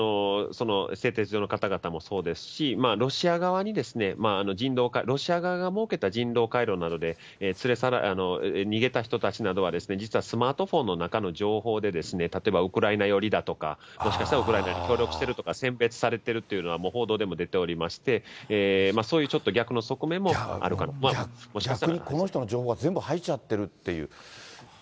製鉄所の方々もそうですし、ロシア側が設けた人道回廊などで逃げた人たちなどは、実はスマートフォンの中の情報で、例えばウクライナ寄りだとか、もしかしたらウクライナに協力しているとか、選別されてるっていうのは、報道でも出ておりまして、そういうちょっと逆の側面もあるかなと、逆に、この人の情報が全部、入っちゃってるっていう。